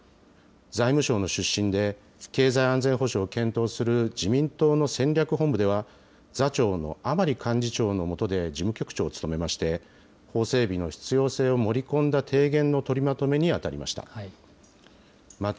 財務省の出身で、経済安全保障を検討する自民党の戦略本部では、座長の甘利幹事長の下で事務局長を務めまして、法整備の必要性を盛り込んだ提言の取りまとめに当たりました。